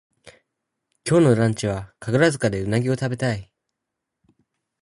今日のランチは神楽坂でうなぎをたべたい